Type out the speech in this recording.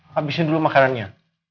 habisin dulu makanannya